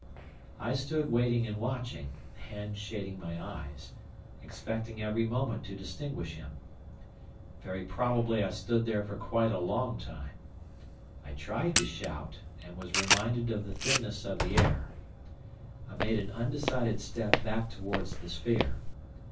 I stood waiting and watching, hands shading my eyes, expecting every moment to distinguish him. Very probably I stood there for quite a long time. I tried to shout, and was reminded of the thinness of the air. I made an undecided step back towards the sphere.